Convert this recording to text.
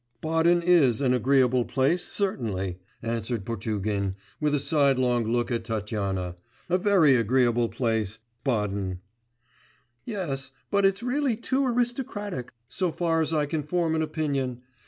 'Baden is an agreeable place, certainly,' answered Potugin, with a sidelong look at Tatyana; 'a very agreeable place, Baden.' 'Yes; but it's really too aristocratic, so far as I can form an opinion.